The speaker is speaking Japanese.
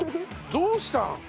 どうした？